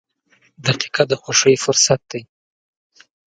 • دقیقه د خوښۍ فرصت ده.